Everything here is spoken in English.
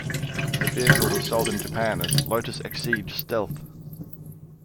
The vehicle was sold in Japan as 'Lotus Exige Stealth'.